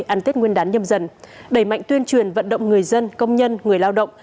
ăn tết nguyên đán nhâm dần đẩy mạnh tuyên truyền vận động người dân công nhân người lao động